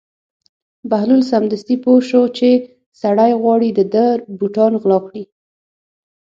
بهلول سمدستي پوه شو چې سړی غواړي د ده بوټان غلا کړي.